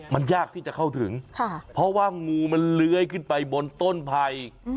มันยากที่จะเข้าถึงเพราะว่างูมันเลื้อยขึ้นไปบนต้นไผ่